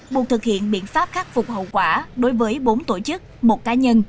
buộc thực hiện biện pháp khắc phục hậu quả đối với bốn tổ chức một cá nhân